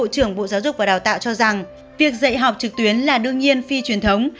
bộ trưởng bộ giáo dục và đào tạo cho rằng việc dạy học trực tuyến là đương nhiên phi truyền thống